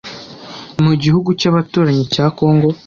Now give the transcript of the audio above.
mu gihugu cy’abaturanyi cya congo,